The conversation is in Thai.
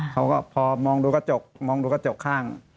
เขาก็พอมองดูกระจกมองดูกระจกข้าง